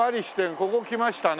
ここ来ましたね。